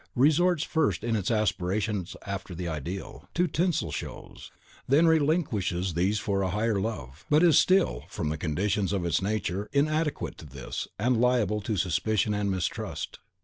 Resorts, first in its aspiration after the Ideal, to tinsel shows; then relinquishes these for a higher love; but is still, from the conditions of its nature, inadequate to this, and liable to suspicion and mistrust.